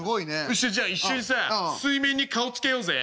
よしじゃあ一緒にさ水面に顔つけようぜ。